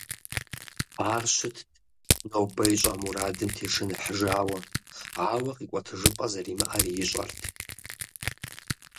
Ар щытт нобэ ищӏа мурадым тешыныхьыжауэ, ауэ къикӏуэтыжыпӏэ зэримыӏэри ищӏэрт.